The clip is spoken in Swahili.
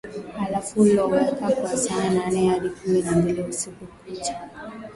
halafu loweka kwa saa nane hadi kumi na mbili usiku kucha